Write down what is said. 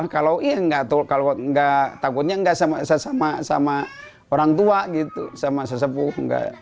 kalau takutnya tidak sama orang tua gitu sama sesepuh